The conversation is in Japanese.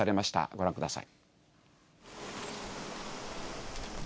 ご覧ください。